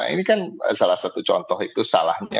ini kan salah satu contoh itu salahnya